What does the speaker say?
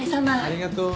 ありがとう。